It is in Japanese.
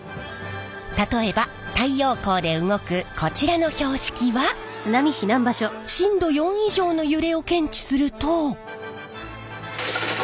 例えば太陽光で動くこちらの標識は震度４以上の揺れを検知すると。